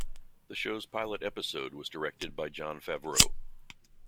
The show's pilot episode was directed by Jon Favreau.